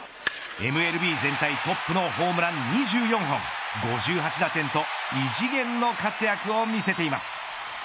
ＭＬＢ全体トップのホームラン２４本５８打点と異次元の活躍を見せています。